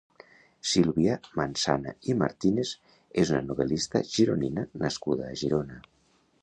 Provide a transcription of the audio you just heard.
Sílvia Manzana i Martínez és una novel·lista gironina nascuda a Girona.